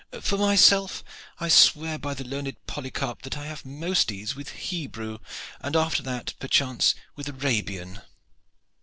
For myself, I swear by the learned Polycarp that I have most ease with Hebrew, and after that perchance with Arabian."